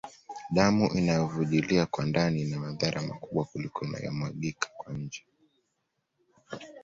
Damu inayovujilia kwa ndani ina madhara makubwa kuliko inayomwagika kwa nje